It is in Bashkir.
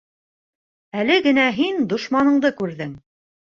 Әле генә һин дошманыңды күрҙең.